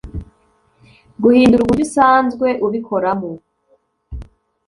Guhindura uburyo usanzwwe ubikoramo